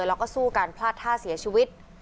แล้วก็สู้การพลาดท่าเสียชีวิต